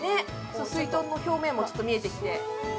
すいとんの表面も見えてきて。